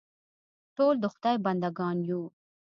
ټول د خدای بنده ګان یو.